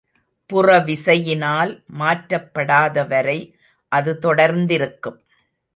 புறவிசையினால் மாற்றப்படாதவரை அது தொடர்ந்திருக்கும்.